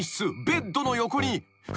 ベッドの横に？